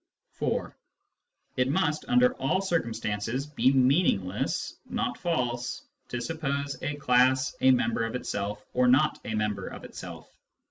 (4) It must under all circumstances be meaningless (not false) to suppose a class a member of itself or not a member of itself.